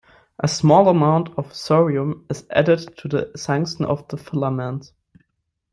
A small amount of thorium is added to the tungsten of the filament.